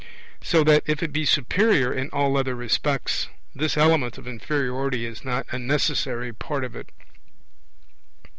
So that, if it be superior in all other respects, this element of inferiority is not a necessary part of it.